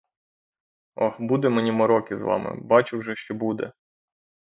Ох, буде мені мороки з вами, бачу вже, що буде!